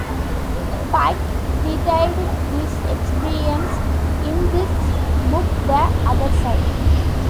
Pike detailed these experiences in his book "The Other Side".